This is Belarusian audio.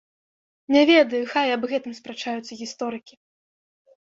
Не ведаю, хай аб гэтым спрачаюцца гісторыкі.